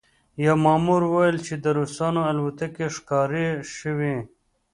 یوه مامور وویل چې د روسانو الوتکې ښکاره شوې